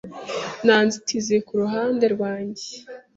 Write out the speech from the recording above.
Nta nzitizi ku ruhande rwanjye.